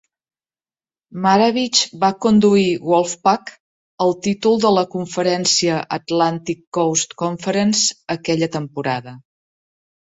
Maravich va conduir Wolfpack al títol de la conferència Atlantic Coast Conference aquella temporada.